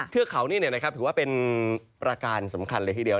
เทือกเขานี่ถือว่าเป็นประการสำคัญเลยทีเดียว